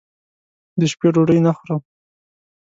دشپې ډوډۍ نه خورم